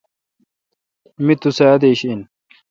می تو سہ ادیش این۔